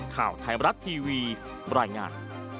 ข่าวไทยมรัฐทีวีบรรยายงาน